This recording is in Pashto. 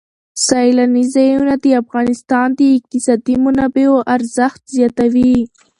سیلانی ځایونه د افغانستان د اقتصادي منابعو ارزښت زیاتوي.